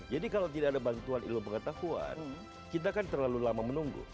jadi kalau tidak ada bantuan ilmu pengetahuan kita kan terlalu lama menunggu